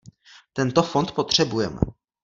Tento fond potřebujeme.